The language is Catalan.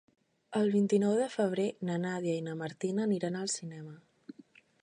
El vint-i-nou de febrer na Nàdia i na Martina aniran al cinema.